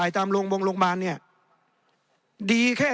ในทางปฏิบัติมันไม่ได้